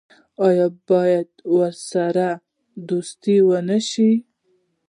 آیا باید ورسره دوستي ونشي؟